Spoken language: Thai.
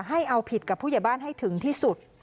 ให้เอาผิดกับผู้ใหญ่บ้านให้ถึงที่สุด